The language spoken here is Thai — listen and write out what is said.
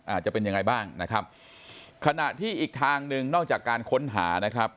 จะเป็นยังไงบ้างนะครับขณะที่อีกทางหนึ่งนอกจากการค้นหานะครับ